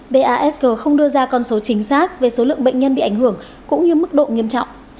basg không đưa ra con số chính xác về số lượng bệnh nhân bị ảnh hưởng cũng như mức độ nghiêm trọng